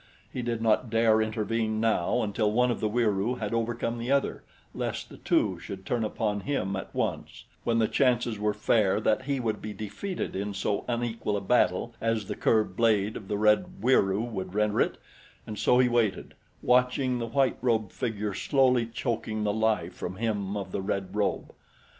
He did not dare intervene now until one of the Wieroo had overcome the other, lest the two should turn upon him at once, when the chances were fair that he would be defeated in so unequal a battle as the curved blade of the red Wieroo would render it, and so he waited, watching the white robed figure slowly choking the life from him of the red robe.